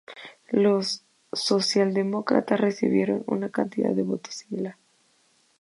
Los socialdemócratas recibieron una cantidad de votos similar.